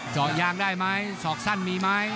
สอกยางได้มั้ยสอกสั้นมีมั้ย